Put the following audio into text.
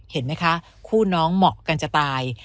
เห็นไหมคะคู่น้องเหมาะกันจะตาย